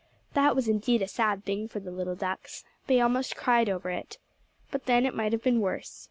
That was indeed a sad thing for the little ducks. They almost cried over it. But then it might have been worse.